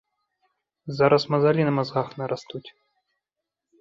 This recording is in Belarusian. Зараз мазалі на мазгах нарастуць.